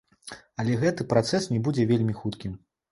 Але гэты працэс не будзе вельмі хуткім.